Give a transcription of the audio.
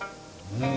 うん。